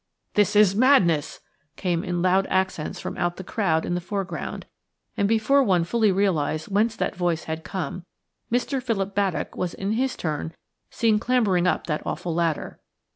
"This is madness!" came in loud accents from out the crowd in the foreground, and before one fully realised whence that voice had come, Mr. Philip Baddock was in his turn seen clambering up that awful ladder.